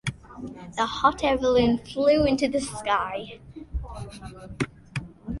The album itself would also chart following its release.